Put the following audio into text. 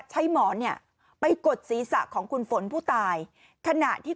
หมอนเนี่ยไปกดศีรษะของคุณฝนผู้ตายขณะที่